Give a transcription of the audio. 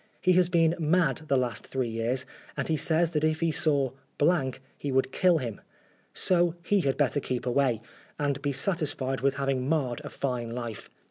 He has been mad the last three years, and he says that if he saw he would kill him. So he had better keep away, and be satisfied with having marred a fine life.